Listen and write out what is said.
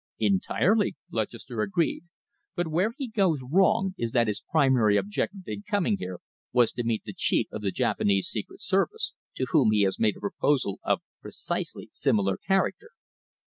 "Entirely," Lutchester agreed, "but where he goes wrong is that his primary object in coming here was to meet Hie chief of the Japanese Secret Service, to whom he has made a proposition of precisely similar character."